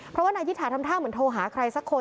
เพราะว่านายยิถาทำท่าเหมือนโทรหาใครสักคน